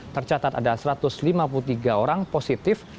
tercatat ada satu ratus lima puluh tiga orang positif